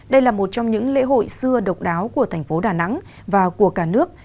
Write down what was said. đây là một trong những lễ hội xưa độc đáo của tp đà nẵng và của cả nước